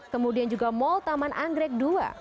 kemudian juga mall taman anggrek dua